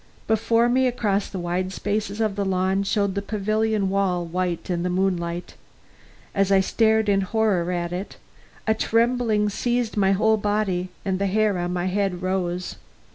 Before me, across the wide spaces of the lawn, shone the pavilion wall, white in the moonlight As I stared in horror at it, a trembling seized my whole body, and the hair on my head rose.